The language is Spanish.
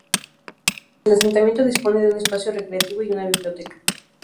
El asentamiento dispone de un espacio recreativo y una biblioteca.